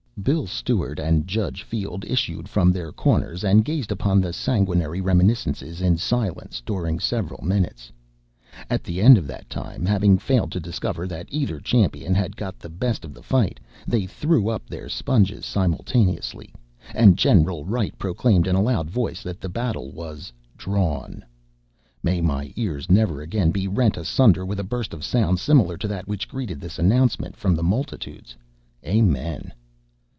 Bill Stewart and Judge Field issued from their corners and gazed upon the sanguinary reminiscences in silence during several minutes. At the end of that time, having failed to discover that either champion had got the best of the fight, they threw up their sponges simultaneously, and Gen. Wright proclaimed in a loud voice that the battle was "drawn." May my ears never again be rent asunder with a burst of sound similar to that which greeted this announcement, from the multitudes. Amen.